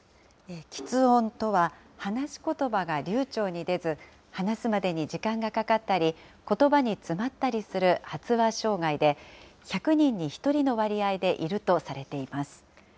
きつ音とは、話しことばが流ちょうに出ず、話すまでに時間がかかったり、ことばに詰まったりする発話障害で、１００人に１人の割合でいるとされています。